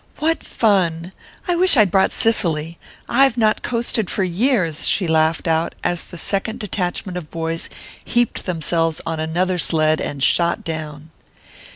"What fun! I wish I'd brought Cicely! I've not coasted for years," she laughed out, as the second detachment of boys heaped themselves on another sled and shot down.